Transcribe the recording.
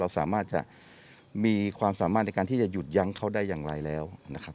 สามารถจะมีความสามารถในการที่จะหยุดยั้งเขาได้อย่างไรแล้วนะครับ